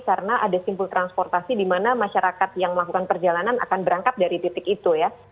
karena ada simpul transportasi di mana masyarakat yang melakukan perjalanan akan berangkat dari titik itu ya